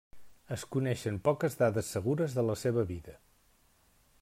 Es coneixen poques dades segures de la seva vida.